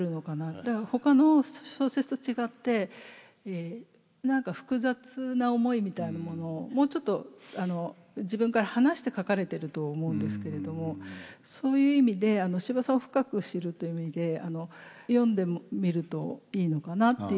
だからほかの小説と違って何か複雑な思いみたいなものをもうちょっと自分から離して書かれてると思うんですけれどもそういう意味で司馬さんを深く知るという意味で読んでみるといいのかなっていう一作です。